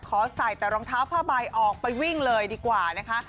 ใส่แต่รองเท้าผ้าใบออกไปวิ่งเลยดีกว่านะคะ